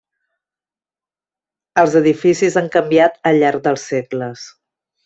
Els edificis han canviat al llarg dels segles.